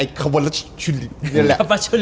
ไอ้ขวัญละชุดเลียน